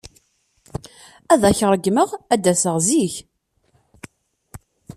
Ad ak-ṛeggmeɣ ad d-aseɣ zik.